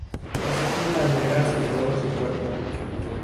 Posee plumas negras en todo su cuerpo.